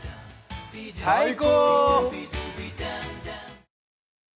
最高！